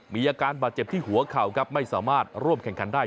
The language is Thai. มีอาการบาดเจ็บที่หัวเข่าครับไม่สามารถร่วมแข่งขันได้